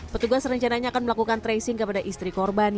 petugas rencananya akan melakukan tracing kepada istri korban